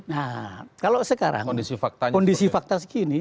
nah kalau sekarang kondisi fakta segini